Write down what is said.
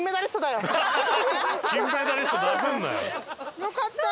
よかった！